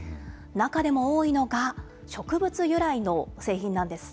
中でも多いのが、植物由来の製品なんです。